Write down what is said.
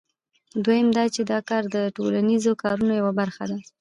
دویم دا چې دا کار د ټولنیزو کارونو یوه برخه ده